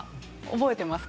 覚えてます。